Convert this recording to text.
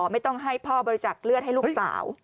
ไม่ต้องให้พ่อบริจักษ์เลือดให้ลูกสาว